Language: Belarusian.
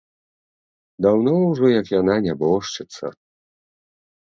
Даўно ўжо, як яна нябожчыца.